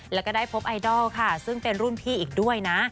แล้วก็ได้พบไอดอลค่ะซึ่งเป็นรุ่นพี่อีกด้วยนะ